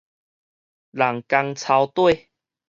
人工抄底